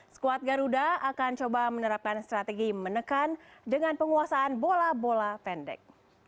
skuad garuda akan coba menerapkan strategi menekan dengan penguasaan bola bola pendek